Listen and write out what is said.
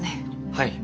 はい。